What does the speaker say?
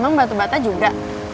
emang batu bata juga